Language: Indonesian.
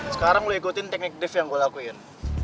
sekarang gue ikutin teknik drift yang gue lakuin